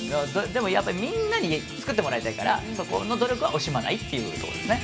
でもやっぱりみんなに作ってもらいたいからそこの努力は惜しまないっていうとこですね。